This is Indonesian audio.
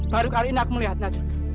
baru kali ini aku melihatnya